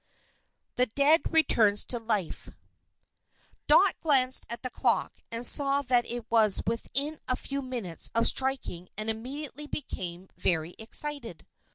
The Dead Returns to Life Dot glanced at the clock, and saw that it was within a few minutes of striking, and immediately became very excited.